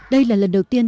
đây là lần đầu tiên